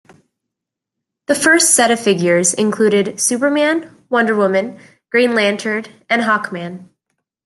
The first set of figures included Superman, Wonder Woman, Green Lantern, and Hawkman.